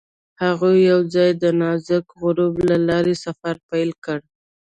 هغوی یوځای د نازک غروب له لارې سفر پیل کړ.